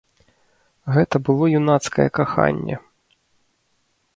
Гэта было юнацкае каханне.